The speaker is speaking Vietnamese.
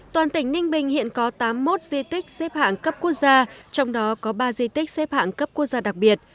toàn tỉnh ninh bình hiện có tám mươi một di tích xếp hạng cấp quốc gia trong đó có ba di tích xếp hạng cấp quốc gia đặc biệt